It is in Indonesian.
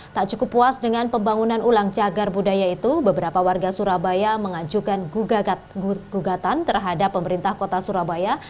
tak cukup puas dengan pembangunan ulang cagar budaya itu beberapa warga surabaya mengajukan gugatan terhadap pemerintah kota surabaya